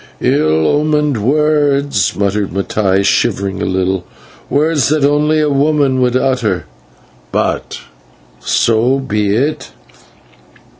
"Ill omened words," muttered Mattai, shivering a little, "words that only a woman would utter; but so be it."